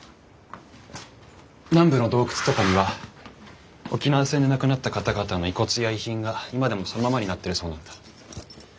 南部の洞窟とかには沖縄戦で亡くなった方々の遺骨や遺品が今でもそのままになってるそうなんだ。